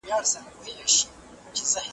آیا ساده ژبه په علمي څېړنه کي کارول کيږي؟